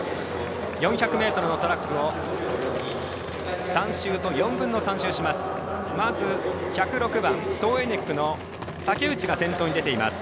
４００ｍのトラックを３周と４分の３周します。